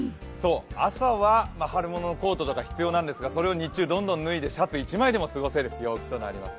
朝は春物のコートとか必要なんですがそれを日中、どんどん脱いでシャツ１枚でも過ごせる陽気となりそうです。